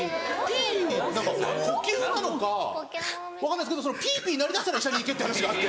何か呼吸なのか分かんないですけどそのピピ鳴りだしたら医者に行けって話があって。